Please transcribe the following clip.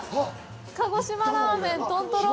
鹿児島ラーメン豚とろ。